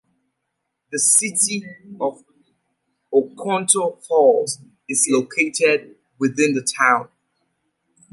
The City of Oconto Falls is located within the town.